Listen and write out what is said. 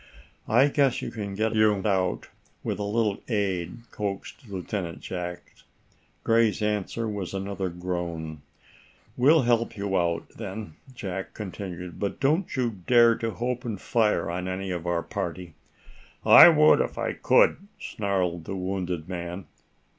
"I guess you can get out, with a little aid," coaxed Lieutenant Jack. Gray's answer was another groan. "We'll help you out, then," Jack continued. "But don't you dare to open fire upon any of our party!" "I would, if I could," snarled the wounded man.